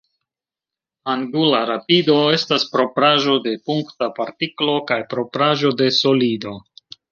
Angula rapido estas propraĵo de punkta partiklo kaj propraĵo de solido.